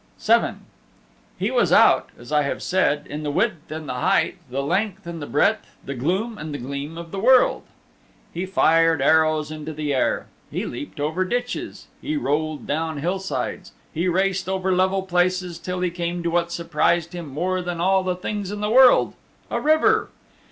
VII He was out, as I have said, in the width and the height, the length and the breadth, the gloom and the gleam of the world. He fired arrows into the air. He leaped over ditches, he rolled down hillsides, he raced over level places until he came to what surprised him more than all the things in the world a river.